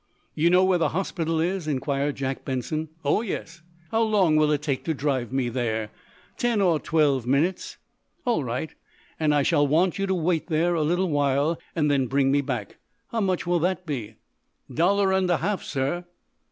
"You know where the hospital is?" inquired Jack Benson. "Oh, yes." "How long will it take to drive me there?" "Ten or twelve minutes." "All right. And I shall want you to wait there, a little while, and then bring me back. How much will that be?" "Dollar and a half, sir."